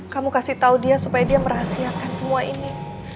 kamu kasih tahu dia supaya dia merahasiakan semua ini